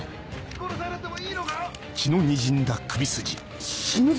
殺されてもいいのか⁉死ぬぞ！